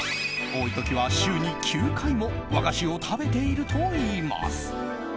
多い時は週に９回も和菓子を食べているといいます。